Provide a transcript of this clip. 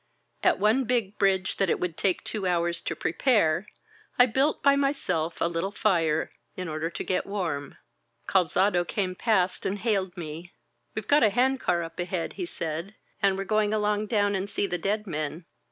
At one big bridge that it would take two hours to prepare, I built by myself a little fire in order to get warm. Calzado came past, and hailed me. "WeVe got a hand car up ahead," he said, ^^and we're going along down and see the dead men.